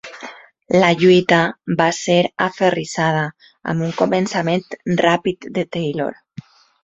La lluita va ser aferrissada, amb un començament ràpid de Taylor.